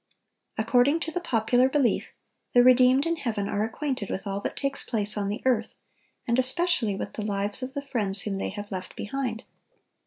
According to the popular belief, the redeemed in heaven are acquainted with all that takes place on the earth, and especially with the lives of the friends whom they have left behind.